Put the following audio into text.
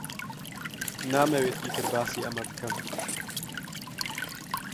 نامەوێت ئیتر باسی ئەمە بکەم.